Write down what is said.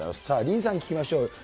じゃあ、リンさん聞きましょう。